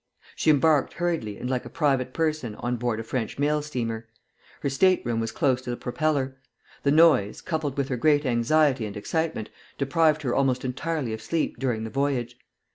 She embarked hurriedly and like a private person on board a French mail steamer. Her stateroom was close to the propeller. The noise, coupled with her great anxiety and excitement, deprived her almost entirely of sleep during the voyage.